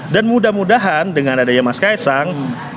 dan mudah mudahan dengan adanya mas khaesang